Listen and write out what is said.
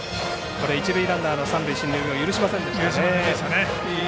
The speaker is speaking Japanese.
一塁ランナーの三塁進塁を許しませんでしたね。